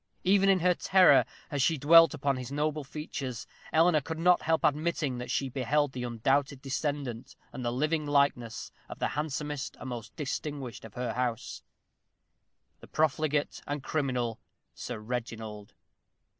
Even in her terror, as she dwelt upon his noble features, Eleanor could not help admitting that she beheld the undoubted descendant, and the living likeness of the handsomest and most distinguished of her house the profligate and criminal Sir Reginald.